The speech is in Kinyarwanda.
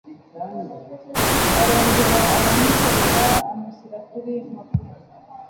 arongera aramuterura amushyira kuri moto